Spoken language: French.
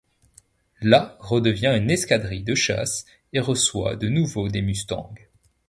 La redevient une escadrille de chasse et reçoit de nouveau des Mustang.